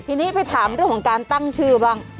ทีนี้ไปถามเรื่องของการตั้งชื่อบ้าง